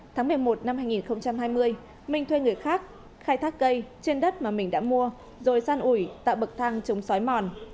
tháng một mươi một năm hai nghìn hai mươi minh thuê người khác khai thác cây trên đất mà mình đã mua rồi san ủi tạo bậc thang chống xói mòn